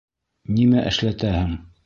Нимә эшләтәһең?